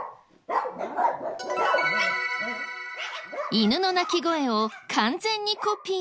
犬の鳴き声を完全にコピー。